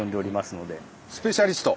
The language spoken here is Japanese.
スペシャリスト？